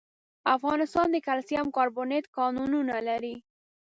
افغانستان د کلسیم کاربونېټ کانونه لري.